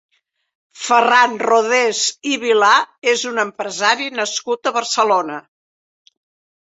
Ferran Rodés i Vilà és un empresari nascut a Barcelona.